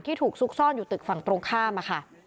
ถูกซุกซ่อนอยู่ตึกฝั่งตรงข้ามค่ะ